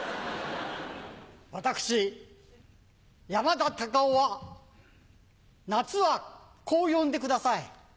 私山田隆夫は夏はこう呼んでください。